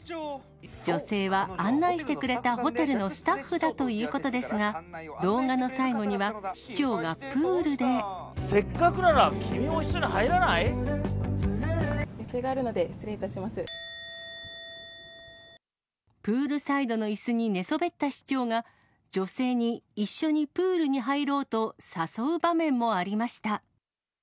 女性は案内してくれたホテルのスタッフだということですが、せっかくなら、予定があるので失礼いたしまプールサイドのいすに寝そべった市長が、女性に一緒にプールに入ろうと誘う場面もありました。